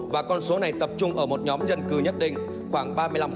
và con số này tập trung ở một nhóm dân cư nhất định khoảng ba mươi năm